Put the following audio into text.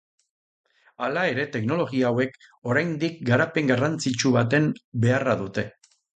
Hala ere teknologia hauek oraindik garapen garrantzitsu baten beharra dute.